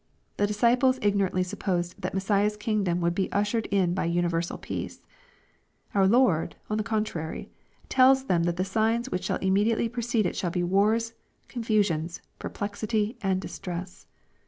The disciples ignorantly supposed that Messiah's kingdom would be ushered in by universal peace. Our Lord, on the contrary, tells them that the signs which shall immediately pre cede it shall be wars, confusions, perplexity, aijid distress.